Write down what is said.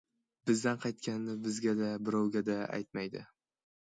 Bizdan qaytganini bizga-da, birovga-da aytmaydi.